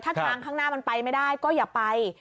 ถ้าทางข้างหน้ามันไปไม่ได้ก็อย่าไป